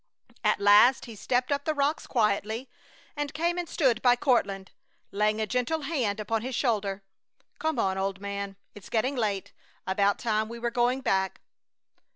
At last he stepped up the rocks quietly and came and stood by Courtland, laying a gentle hand upon his shoulder. "Come on, old man, it's getting late. About time we were going back!"